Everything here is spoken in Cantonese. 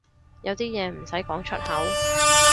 有啲嘢唔使講出口